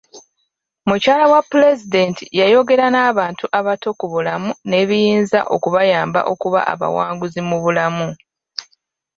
Mukyala wa pulezidenti yayogera n'abantu abato ku bulamu n'ebiyinza okubayamba okuba abawanguzi mu bulamu.